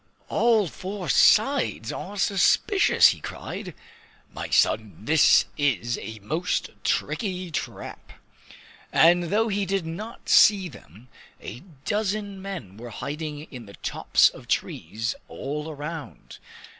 "All four sides are suspicious!" he cried. "My son, this is a most tricky trap!" And though he did not see them, a dozen men were hiding in the tops of trees all around.